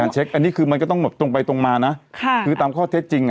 เช็คอันนี้คือมันก็ต้องแบบตรงไปตรงมานะคือตามข้อเท็จจริง